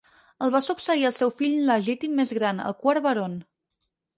El va succeir el seu fill legítim més gran, el quart Baron.